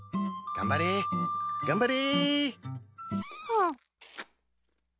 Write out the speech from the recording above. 頑張れ頑張れ。